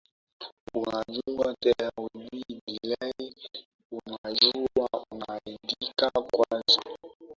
unajua there will be delay unajua unaandika kwanza